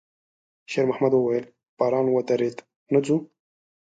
شېرمحمد وويل: «باران ودرېد، نه ځو؟»